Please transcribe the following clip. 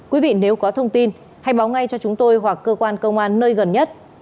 quý vị nếu có thông tin hãy báo ngay cho chúng tôi hoặc cơ quan công an nơi gần nhất